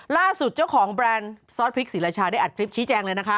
ล่าสุดเจ้าของแบรนด์ซอสพริกศรีราชาได้อัดคลิปชี้แจงเลยนะคะ